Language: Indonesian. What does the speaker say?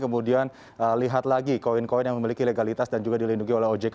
kemudian lihat lagi koin koin yang memiliki legalitas dan juga dilindungi oleh ojk